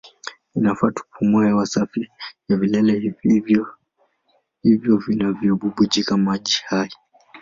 Inafaa tupumue hewa safi ya vilele hivyo vinavyobubujika maji hai.